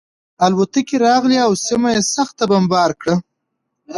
الوتکې راغلې او سیمه یې سخته بمبار کړه